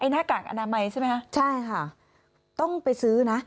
หน้ากากอนามัยใช่ไหมคะใช่ค่ะต้องไปซื้อนะ